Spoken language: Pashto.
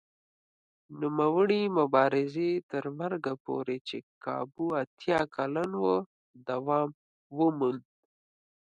نوموړي مبارزې تر مرګه پورې چې کابو اتیا کلن و دوام وموند.